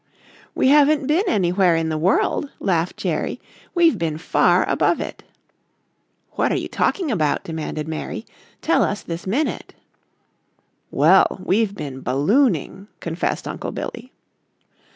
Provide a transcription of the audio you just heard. "We haven't been anywhere in the world," laughed Jerry, "we've been far above it." "What are you talking about?" demanded Mary. "Tell us this minute." "Well, we've been ballooning," confessed Uncle Billy.